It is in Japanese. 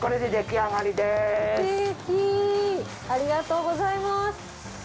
ありがとうございます。